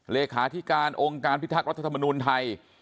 เลขาธิการองค์การพิทักษ์รัฐธรรมนูลไทย